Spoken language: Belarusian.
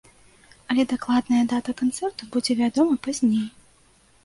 Але дакладная дата канцэрту будзе вядома пазней.